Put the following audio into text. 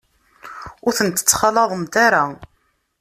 Ur tent-ttxalaḍemt ara.